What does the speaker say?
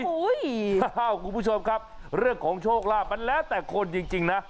คุณผู้ชมครับเรื่องของโชคลาภมันแล้วแต่คนจริงนะ